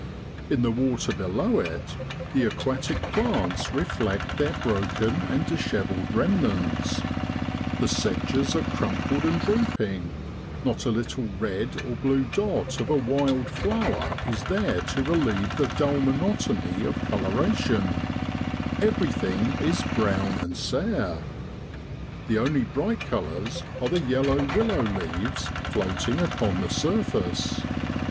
In the water below it the aquatic plants reflect their broken and dishevelled remnants; the sedges are crumpled and drooping, not a little red or blue dot of a wild flower is there to relieve the dull monotony of coloration everything is brown and sere; the only bright colours are the yellow willow leaves floating upon the surface, Q 122 NOVEMBER IN BROADLAND.